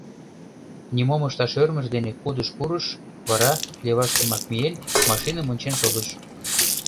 Нимом ышташ ӧрмыж дене кудыш пурыш, вара, леваш йымак миен, машиным ончен шогыш.